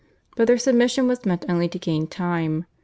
But their submission was meant only to gain time.